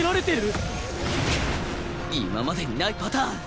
くっ今までにないパターン！